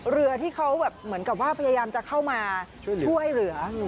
เรือที่เขาแบบเหมือนกับว่าพยายามจะเข้ามาช่วยเหลือ